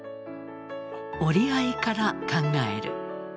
折り合いから考える。